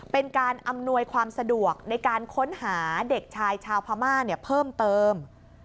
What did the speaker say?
เป็นการอำนวยความสะดวกในการค้นหาเด็กชายชาวพม่าเพิ่มเติม